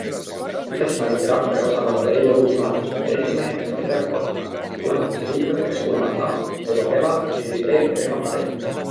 Ühtlasi valiti Rakvere osakonnale eile uus juhatus, mille esimeheks on Siret Kotka ja juhatuse liikmeteks Urmas Laht, Toivo Keva, Helgi Kreek ja Riho Kari.